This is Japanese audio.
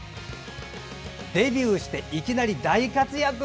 デビューしていきなり大活躍！